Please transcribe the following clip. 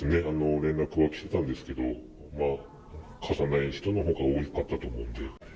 連絡は来てたんですけど、貸さない人のほうが多かったと思うんで。